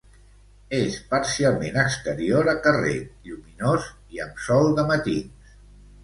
És parcialment exterior a carrer, lluminós i amb sol de matins.